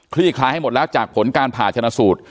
ลี่คลายให้หมดแล้วจากผลการผ่าชนะสูตร